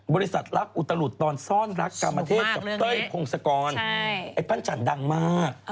บริษัทรักอุตลุดตอนซ่อนรักกรรมเทศกับเต้ยพงศกรไอ้ปั้นจันดังมาก